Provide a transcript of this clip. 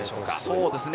そうですね。